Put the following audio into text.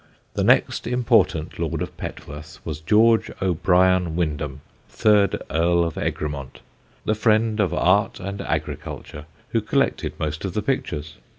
The next important Lord of Petworth was George O'Brien Wyndham, third Earl of Egremont, the friend of art and agriculture, who collected most of the pictures.